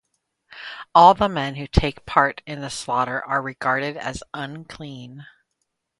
All the men who take part in the slaughter are regarded as unclean.